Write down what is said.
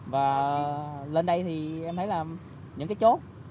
và lên đây thì em thấy là những cái chốt